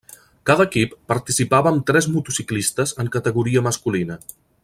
Cada equip participava amb tres motociclistes en categoria masculina.